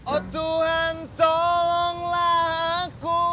oh tuhan tolonglah aku